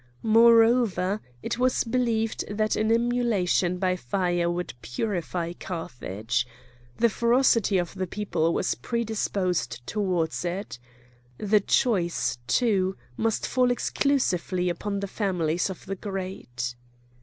Moreover, it was believed that an immolation by fire would purify Carthage. The ferocity of the people was predisposed towards it. The choice, too, must fall exclusively upon the families of the great.